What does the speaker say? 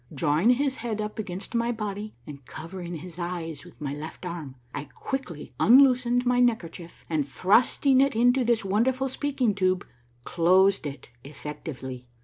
Drawing his head up against my body and covering his eyes with my left arm, I quickly unloosened my neckerchief, and thrusting it into this wonderful speaking tube closed it effectively.